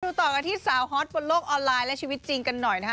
ต่อกันที่สาวฮอตบนโลกออนไลน์และชีวิตจริงกันหน่อยนะฮะ